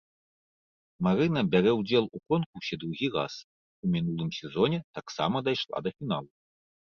Марына бярэ ўдзел у конкурсе другі раз, у мінулым сезоне таксама дайшла да фіналу.